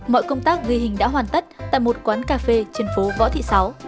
mọi công tác ghi hình đã hoàn tất tại một quán cà phê trên phố võ thị sáu